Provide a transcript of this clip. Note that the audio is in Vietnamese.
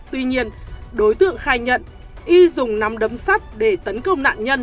tuy nhiên đối tượng khai nhận y dùng nắm đấm sắt để tấn công nạn nhân